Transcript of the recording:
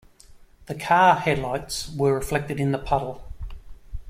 The car headlights were reflected in the puddle.